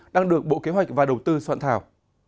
đang được bộ kế hoạch và đầu tư soạn thảo